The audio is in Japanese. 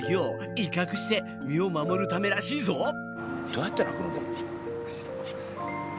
どうやって鳴くの？でも。